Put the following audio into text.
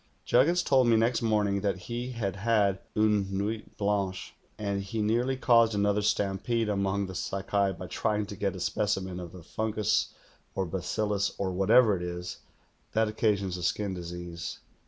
Juggins told me next morning that he had had line nuit hlancJie, and he nearly caused another stampede among the Sakai by trying to get a specimen of the fungus or bacillus, or whatever it is, that occasions the skin disease.